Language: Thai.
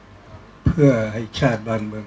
ทำยังไงเราถึงจะปล้นกราบรามคนปล้นได้